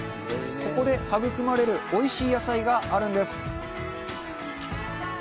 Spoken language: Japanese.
ここで育まれるおいしい野菜があるんです。